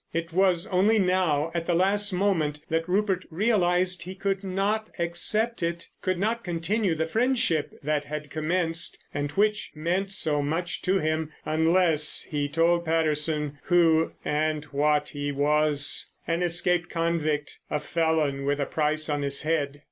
It was only now, at the last moment, that Rupert realised he could not accept it, could not continue the friendship that had commenced, and which meant so much to him, unless he told Patterson who and what he was! An escaped convict, a felon with a price on his head!